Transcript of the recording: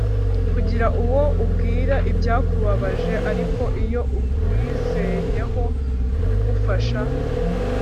kugira uwo ubwira ibyakubabaje ariko iyo umwizeyeho kugufasha